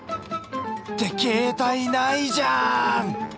って携帯ないじゃん！